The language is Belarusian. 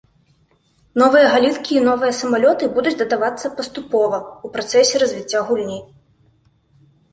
Новыя галінкі і новыя самалёты будуць дадавацца паступова, у працэсе развіцця гульні.